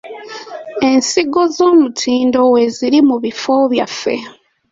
Ensigo ez'omutindo weeziri mu bifo byaffe.